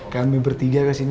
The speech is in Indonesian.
kami bertiga kesini